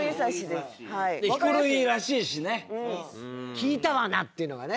「聞いたわな」っていうのがね。